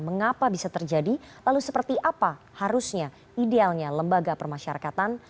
mengapa bisa terjadi lalu seperti apa harusnya idealnya lembaga permasyarakatan